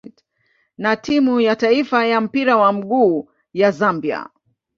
na timu ya taifa ya mpira wa miguu ya Zambia.